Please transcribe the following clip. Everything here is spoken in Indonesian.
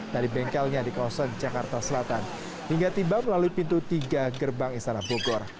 dari bengkelnya di kawasan jakarta selatan hingga tiba melalui pintu tiga gerbang istana bogor